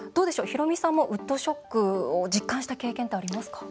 ヒロミさんもウッドショックを実感した経験ってありますか？